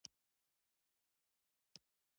په افغانستان کې په کلیو او ښارونو کې خلک وژل شوي وو.